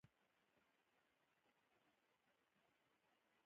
آیا امان الله خان د خپلواکۍ اتل نه دی؟